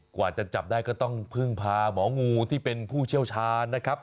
กว่าจะจับได้ก็ต้องพึ่งพาหมองูที่เป็นผู้เชี่ยวชาญนะครับ